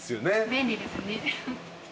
便利ですね。